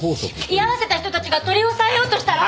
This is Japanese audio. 居合わせた人たちが取り押さえようとしたら。